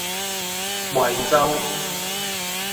惠州